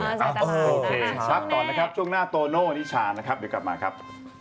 โอเคพักก่อนนะครับช่วงหน้าโตโน่นิชานะครับเดี๋ยวกลับมาครับ